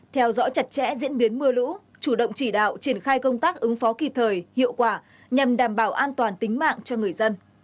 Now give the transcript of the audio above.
theo dõi chặt chẽ diễn biến mưa lũ chủ động chỉ đạo triển khai công tác ứng phó kịp thời hiệu quả nhằm đảm bảo an toàn tính mạng cho người dân